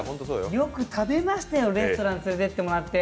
よく食べましたよ、レストランに連れていってもらって。